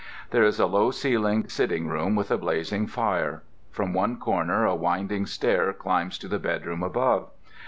There is a low ceilinged sitting room with a blazing fire. From one corner a winding stair climbs to the bedroom above.